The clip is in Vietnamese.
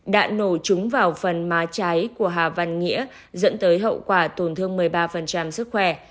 đạn nổ chúng vào phần má cháy của hà văn nghĩa dẫn tới hậu quả tổn thương một mươi ba sức khỏe